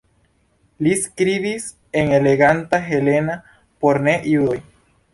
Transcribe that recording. Li skribis en eleganta helena por ne-judoj.